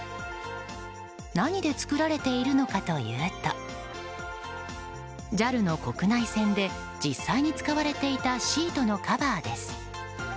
何で作られているのかというとＪＡＬの国内線で実際に使われていたシートのカバーです。